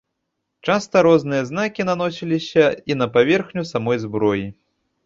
Часта розныя знакі наносіліся і на паверхню самой зброі.